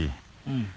うん。